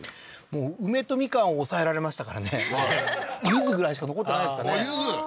もう梅とみかんを押さえられましたからねははははっゆずぐらいしか残ってないですかねあっゆず？